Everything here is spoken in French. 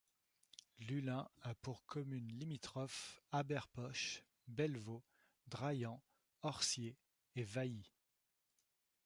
Lullin a pour communes limitrophes Habère-Poche, Bellevaux, Draillant, Orcier et Vailly.